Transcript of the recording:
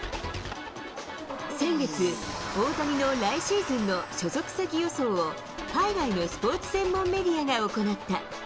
先月、大谷の来シーズンの所属先予想を、海外のスポーツ専門メディアが行った。